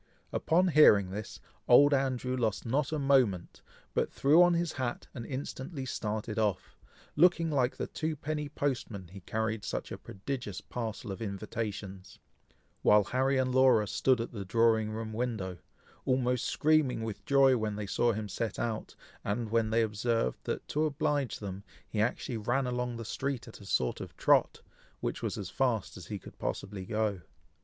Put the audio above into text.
Upon hearing this, old Andrew lost not a moment, but threw on his hat, and instantly started off, looking like the twopenny postman, he carried such a prodigious parcel of invitations, while Harry and Laura stood at the drawing room window, almost screaming with joy when they saw him set out, and when they observed that, to oblige them, he actually ran along the street at a sort of trot, which was as fast as he could possibly go.